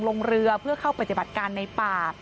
ลงเรือเพื่อเข้าปฏิบัติการในป่า